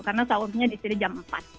karena sahurnya di sini jam empat